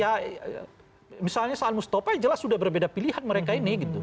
ya misalnya saan mustafa jelas sudah berbeda pilihan mereka ini gitu